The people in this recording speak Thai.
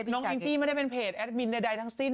น้องอิงจี้ไม่ได้เป็นเพจแอดมินใดทั้งสิ้น